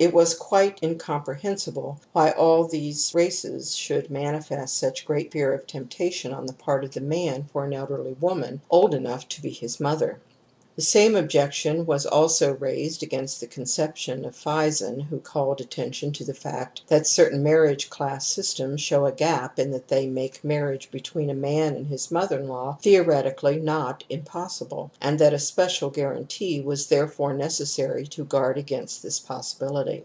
fit was ; quite incomprehensible why all these races \ should manifest such great fear of temptation / 1 on the part of the man for an elderly woman, 'old enough to be his mother ^^/ The same objection was also raised against the conception of Fison who called attention to the fact that certain marriage class systems show a gap in that they make marriage between a man and his mother in law theoretically not impossible and that a special guarantee was therefore necessary to guard against this possi bility.